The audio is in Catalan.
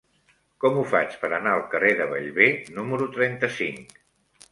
Com ho faig per anar al carrer de Bellver número trenta-cinc?